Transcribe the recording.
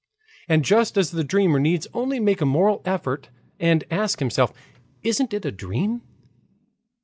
And just as the dreamer need only make a moral effort and ask himself, "Isn't it a dream?"